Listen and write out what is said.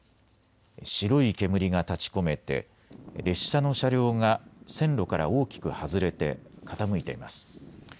白い煙が立ちこめて列車の車両が線路から大きく外れて傾いています。